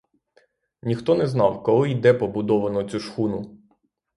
Ніхто не знав, коли й де побудовано цю шхуну.